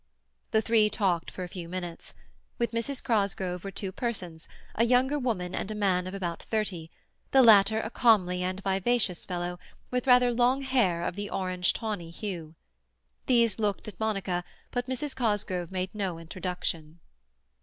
The three talked for a few minutes. With Mrs. Cosgrove were two persons, a younger woman and a man of about thirty—the latter a comely and vivacious fellow, with rather long hair of the orange tawny hue. These looked at Monica, but Mrs. Cosgrove made no introduction.